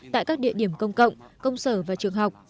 tại các địa điểm công cộng công sở và trường học